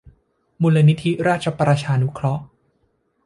มูลนิธิราชประชานุเคราะห์